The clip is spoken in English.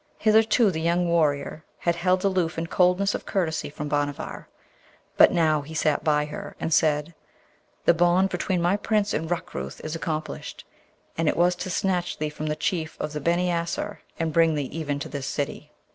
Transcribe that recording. Hitherto the young warrior had held aloof in coldness of courtesy from Bhanavar; but now he sat by her, and said, 'The bond between my prince and Rukrooth is accomplished, and it was to snatch thee from the Chief of the Beni Asser and bring thee even to this city.'